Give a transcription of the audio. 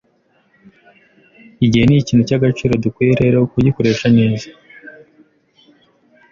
Igihe nikintu cyagaciro, dukwiye rero kugikoresha neza.